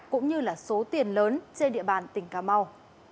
cũng như là số tiền lớn trên địa bàn tỉnh cà mau